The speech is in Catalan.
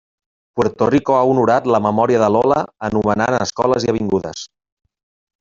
Puerto Rico ha honorat la memòria de Lola anomenant escoles i avingudes.